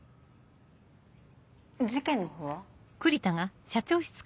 事件のほうは？